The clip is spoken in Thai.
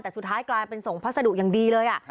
แต่สุดท้ายกลายเป็นส่งพัสดุอย่างดีเลย